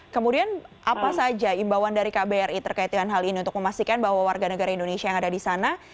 kemudian apa saja imbauan dari kbri terkait dengan hal ini untuk memastikan bahwa warga negara indonesia yang ada di sana